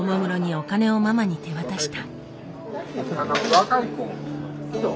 お金をママに手渡した。